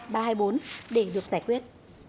tổng thống tỉnh văn tuấn